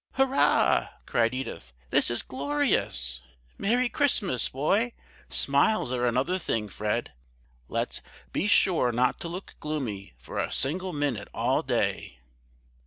"Hurrah!" cried Edith, "this is glorious. Merry Christmas, boy! Smiles are another thing, Fred. Let's be sure not to look gloomy for a single minute all day."